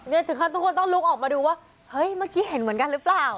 ถึงขั้นทุกคนต้องลุกออกมาดูว่าเฮ้ยเมื่อกี้เห็นเหมือนกันหรือเปล่า